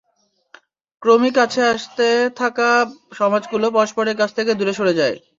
ক্রমই কাছে আসতে থাকা সমাজগুলো পরস্পরের কাছ থেকে দূরে সরে যায়।